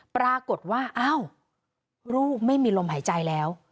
ปรากฏว่าอ้าวลูกไม่มีลมหายใจแล้ว